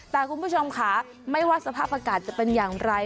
แต่คุณผู้ชมค่ะไม่ว่าสภาพอากาศจะเป็นอย่างไร